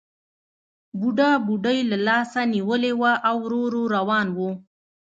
بوډا بوډۍ له لاسه نیولې وه او ورو ورو روان وو